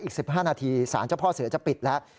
อีก๑๕นาทีสารเจ้าพ่อเสือจะปิดแล้ว